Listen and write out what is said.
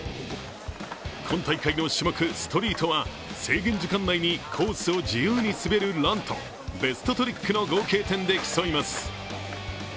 今大会の種目、ストリートは制限時間内にコースを自由に滑るランとベストトリックの合計点で競います。